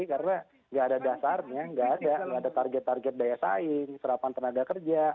karena nggak ada dasarnya nggak ada target target daya saing serapan tenaga kerja